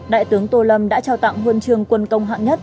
đại tướng tô lâm đã trao tặng huân trường quân công hạng nhất